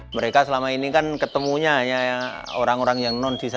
mereka selama ini kan ketemunya hanya orang orang yang non desa